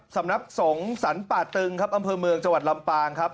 สำนักสงฆ์สรรป่าตึงครับอำเภอเมืองจังหวัดลำปางครับ